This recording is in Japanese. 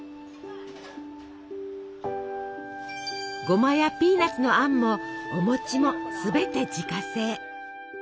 ごまやピーナツのあんもお餅もすべて自家製。